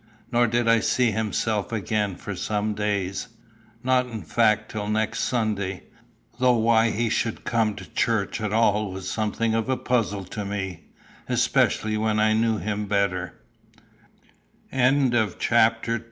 Nor did I see himself again for some days not in fact till next Sunday though why he should come to church at all was something of a puzzle to me, especially when I knew him better. CHAPTER III. THE BLACKSMITH.